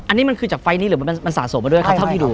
อันนี้มันคือจากไฟล์นี้หรือมันสะสมมาด้วยครับเท่าที่ดู